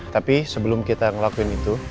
tapi sebelum kita ngelakuin itu